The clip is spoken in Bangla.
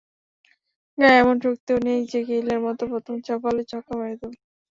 গায়ে এমন শক্তিও নেই যে, গেইলের মতো প্রথম বলেই ছক্কা মেরে দেব।